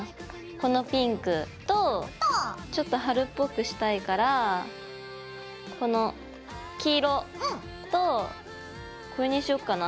このピンクとちょっと春っぽくしたいからこの黄色とこれにしよっかな？